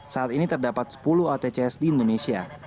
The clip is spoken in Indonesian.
saat ini terdapat sepuluh atcs di indonesia